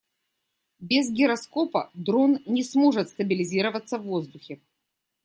Без гироскопа дрон не сможет стабилизироваться в воздухе.